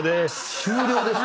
終了ですか？